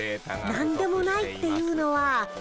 何でもないっていうのは。